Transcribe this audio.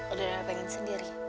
adriana pengen sendiri